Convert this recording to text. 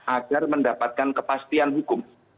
agar mendapatkan kepastian hukum